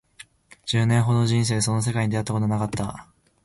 十年ほどの人生でそんな世界に出会ったことはなかった